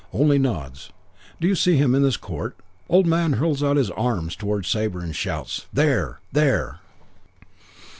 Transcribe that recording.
Only nods. "'Do you see him in this court?' "Old man hurls out his arms towards Sabre. Shouts, 'There! There!'